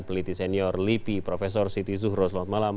peliti senior lipi prof siti zuhro selamat malam